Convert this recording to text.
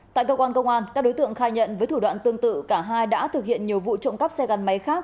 tại cơ quan công an các đối tượng khai nhận với thủ đoạn tương tự cả hai đã thực hiện nhiều vụ trộm cắp xe gắn máy khác